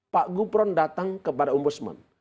pak gupron datang kepada ombudsman